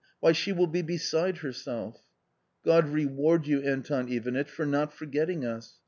Why she will be beside herself !"" God reward you, Anton Ivanitch, for not forgetting us